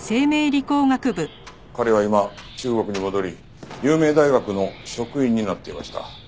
彼は今中国に戻り有名大学の職員になっていました。